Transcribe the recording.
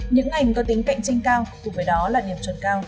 những ngành có tính cạnh tranh cao cùng với đó là điểm chuẩn cao